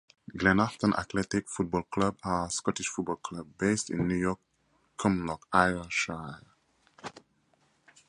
Glenafton Athletic Football Club are a Scottish football club, based in New Cumnock, Ayrshire.